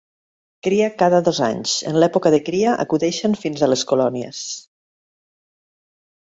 Cria cada dos anys, En l'època de cria acudeixen fins a les colònies.